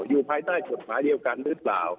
อยู่ภายใต้กฎหมายเดียวกันหรือเปล่า